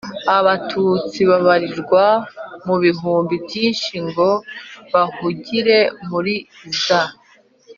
Abatutsi babarirwa mu bihumbi byinshi ngo bahungire muri za